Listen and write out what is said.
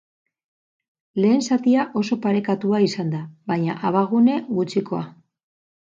Lehen zatia oso parekatua izan da, baina abagune gutxikoa.